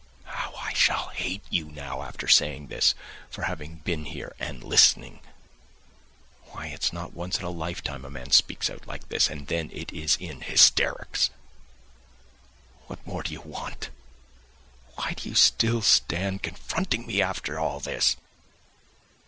How I shall hate you now after saying this, for having been here and listening. Why, it's not once in a lifetime a man speaks out like this, and then it is in hysterics! ... What more do you want? Why do you still stand confronting me, after all this?